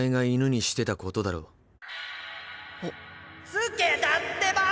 「つけ」だってば。